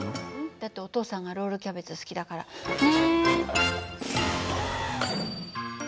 だってお父さんがロールキャベツ好きだから。ね！